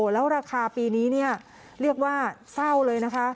แล้วราคาปีนี้เรียกว่าเศร้าเลยนะคะ